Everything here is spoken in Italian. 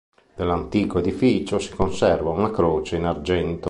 Dell'antico edificio si conserva una croce in argento.